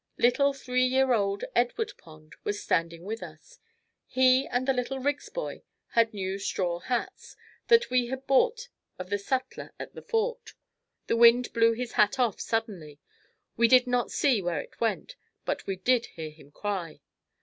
Little three year old Edward Pond was standing with us. He and the little Riggs boy had new straw hats that we had bought of the sutler at the Fort. The wind blew his hat off suddenly. We did not see where it went but we did hear him cry.